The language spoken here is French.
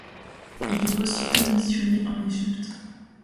Il est aussitôt missionné en Égypte.